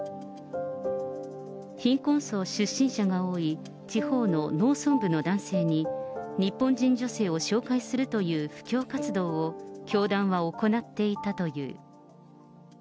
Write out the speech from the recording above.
貧困層出身者が多い地方の農村部の男性に、日本人女性を紹介するという布教活動を、教団は行っていたという。